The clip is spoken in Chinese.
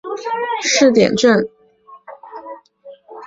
一九九九年被重庆市人民政府列为重庆市小城镇建设试点镇。